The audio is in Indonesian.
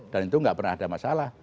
dan itu gak pernah ada masalah